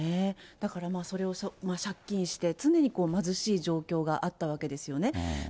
だからそれを借金して、常に貧しい状況があったわけですよね。